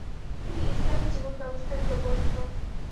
তিনি ইসলামি জীবনব্যবস্থার প্রবর্তক।